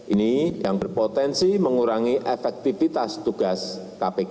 ini yang berpotensi mengurangi efektivitas tugas kpk